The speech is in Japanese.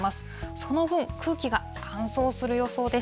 その分、空気が乾燥する予想です。